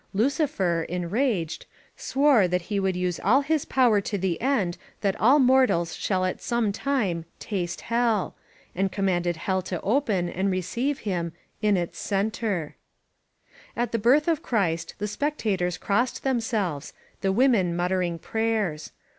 Lucifer, en raged, swore that he would use all his power to the end that all mortals shall at some time ^^taste Hell," and commanded Hell to open and receive him "in its cen ter." At the birth of Christ the spectators crossed them selves, the women muttering prayers.